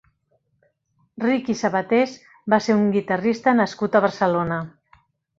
Riqui Sabatés va ser un guitarrista nascut a Barcelona.